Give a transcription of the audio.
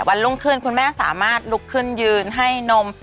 รุ่งขึ้นคุณแม่สามารถลุกขึ้นยืนให้นม